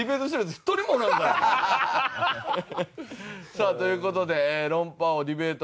さあという事で論破王ディベート